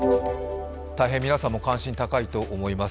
大変皆さんも関心が高いと思います